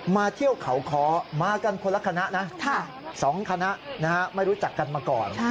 มาเที่ยวเขาค้อมากันคนละคณะนะ๒คณะไม่รู้จักกันมาก่อน